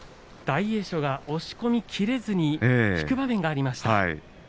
大栄翔が押し込みきれずに引く場面がありました。